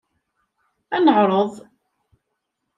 Ad neɛreḍ.